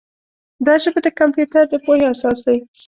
دا ژبه د کمپیوټر د پوهې اساس دی.